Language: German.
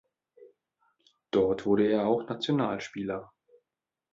Dort wurde er auch Nationalspieler.